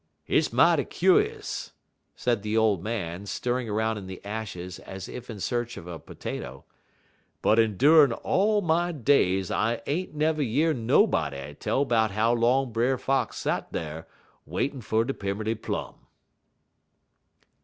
"Hit's mighty kuse," said the old man, stirring around in the ashes as if in search of a potato, "but endurin' er all my days I ain't nev' year nobody tell 'bout how long Brer Fox sot dar waitin' fer de Pimmerly Plum."